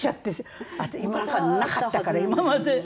私なかったから今まで。